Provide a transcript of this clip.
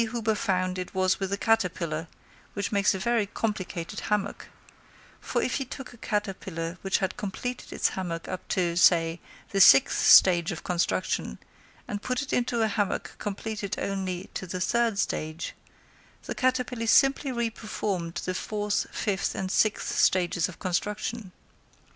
Huber found it was with a caterpillar, which makes a very complicated hammock; for if he took a caterpillar which had completed its hammock up to, say, the sixth stage of construction, and put it into a hammock completed up only to the third stage, the caterpillar simply re performed the fourth, fifth, and sixth stages of construction.